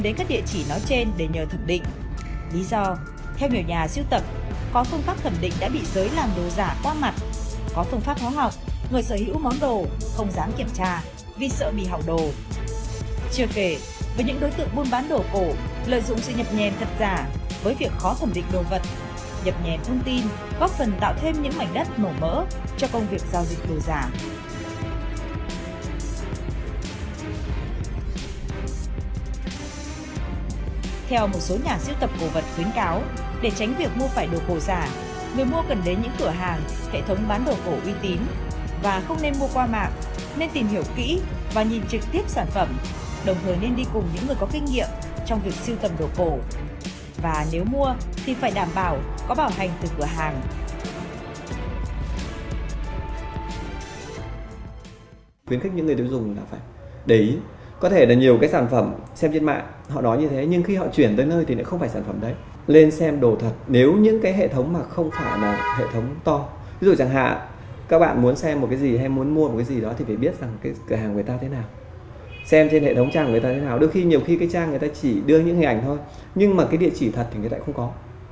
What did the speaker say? lên xem đồ thật nếu những cái hệ thống mà không phải là hệ thống to ví dụ chẳng hạn các bạn muốn xem một cái gì hay muốn mua một cái gì đó thì phải biết rằng cái cửa hàng của người ta thế nào xem trên hệ thống trang của người ta thế nào đôi khi nhiều khi cái trang người ta chỉ đưa những hình ảnh thôi nhưng mà cái địa chỉ thật thì người ta lại không có